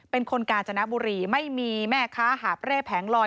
เป็นคนกาญจนบุรีไม่มีแม่ค้าหาบเร่แผงลอย